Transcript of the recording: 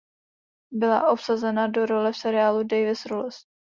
Byla obsazena do role v seriálu "Davis Rules".